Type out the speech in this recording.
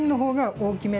大きめ。